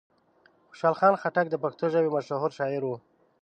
خوشحال خان خټک د پښتو ژبې مشهور شاعر و.